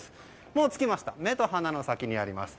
もう着きました目と鼻の先にあります。